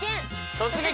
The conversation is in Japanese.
「突撃！